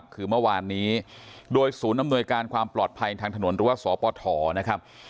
คือเมื่อวานนี้โดยศูนย์อำนวยการความปลอดภัยทางถนนหรือว่าสปฐนะครับ